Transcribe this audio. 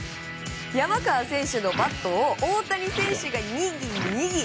山川選手のバットを大谷選手がにぎにぎ。